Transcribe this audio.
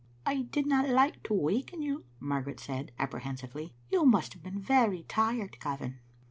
"I did not like to waken you," Margaret said, ap prehensively. " You must have been very tired, Gavin?"